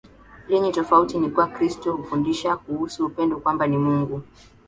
lenye tofauti ni kuwa Kristo hufundisha kuhusu Upendo kwamba ni Mungu